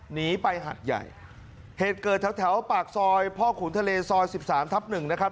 หนีไปหัดใหญ่เหตุเกิดแถวแถวปากซอยพ่อขุนทะเลซอยสิบสามทับหนึ่งนะครับ